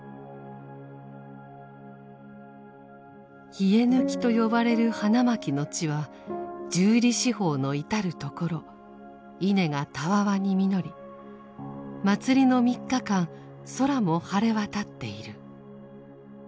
稗貫と呼ばれる花巻の地は十里四方の至る所稲がたわわに実り祭りの三日間空も晴れ渡っている。